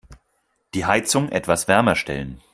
Die Heizung etwas wärmer stellen.